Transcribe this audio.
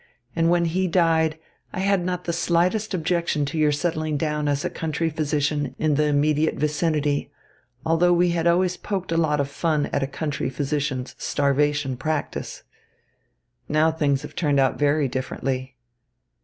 And when he died, I had not the slightest objection to your settling down as a country physician in the immediate vicinity, although we had always poked a lot of fun at a country physician's starvation practice. Now things have turned out very differently.